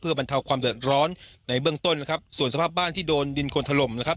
บรรเทาความเดือดร้อนในเบื้องต้นนะครับส่วนสภาพบ้านที่โดนดินคนถล่มนะครับ